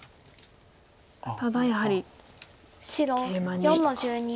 ただやはりケイマに。